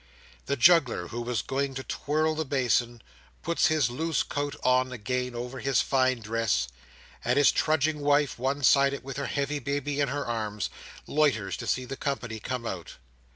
The juggler who was going to twirl the basin, puts his loose coat on again over his fine dress; and his trudging wife, one sided with her heavy baby in her arms, loiters to see the company come out.